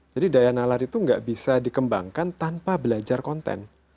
jadi daya nalar itu tidak bisa dikembangkan tanpa belajar konten